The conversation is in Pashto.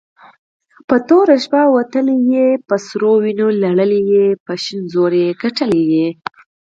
په توره شپه وتلې په سرو وينو لړلې په شين زور يي ګټلې